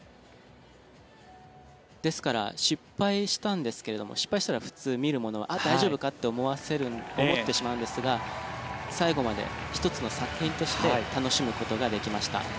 ですから、失敗したんですけれど失敗したら普通、見る者は大丈夫かと思ってしまうんですが最後まで１つの作品として楽しむことができました。